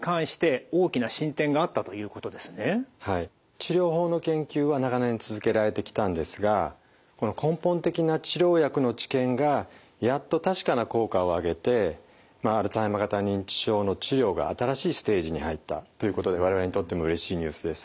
治療法の研究は長年続けられてきたんですがこの根本的な治療薬の治験がやっと確かな効果を上げてアルツハイマー型認知症の治療が新しいステージに入ったということで我々にとってもうれしいニュースです。